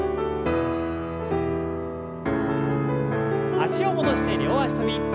脚を戻して両脚跳び。